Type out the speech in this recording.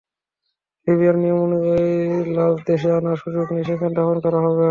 লিবিয়ার নিয়ম অনুযায়ী, লাশ দেশে আনার সুযোগ নেই, সেখানেই দাফন করা হবে।